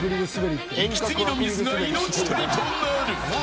息継ぎのミスが命取りとなる。